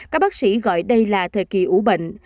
các bác sĩ gọi đây là thời kỳ ủ bệnh